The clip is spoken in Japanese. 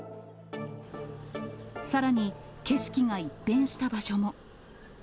さらに、景色が一変した場所も。